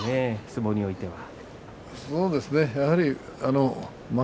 相撲においては。